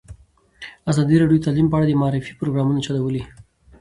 ازادي راډیو د تعلیم په اړه د معارفې پروګرامونه چلولي.